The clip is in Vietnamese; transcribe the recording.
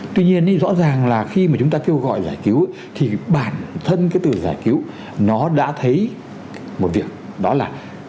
tuy nhiên rõ ràng là khi mà chúng ta kêu gọi giải cứu thì bản thân cái từ giải cứu nó đã thấy một việc đó là